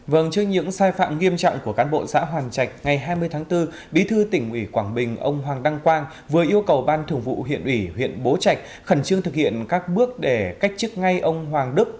vâng trước những sai phạm nghiêm trọng của cán bộ xã hoàn trạch ngày hai mươi tháng bốn bí thư tỉnh ủy quảng bình ông hoàng đăng quang vừa yêu cầu ban thường vụ huyện ủy huyện bố trạch khẩn trương thực hiện các bước để cách chức ngay ông hoàng đức